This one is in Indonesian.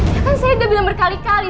ya kan saya udah bilang berkali kali